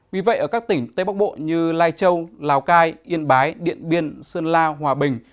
vì vậy ở các tỉnh tây bắc bộ như lai châu lào cai yên bái điện biên sơn la hòa bình